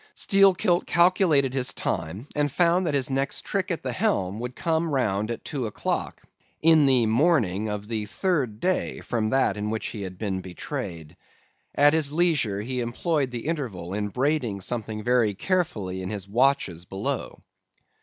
Steelkilt calculated his time, and found that his next trick at the helm would come round at two o'clock, in the morning of the third day from that in which he had been betrayed. At his leisure, he employed the interval in braiding something very carefully in his watches below.